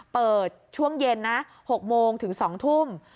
เปิดช่วงเย็นนะ๖โมงถึง๒ทุ่ม